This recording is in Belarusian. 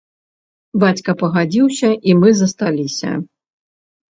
Бацька пагадзіўся, і мы засталіся.